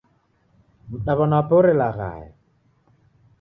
Mdaw'ana wape orelaghaya.